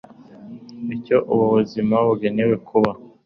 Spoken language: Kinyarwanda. icyo ubu buzima bugenewe kuba